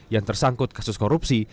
yang tersangkut kasus korupsi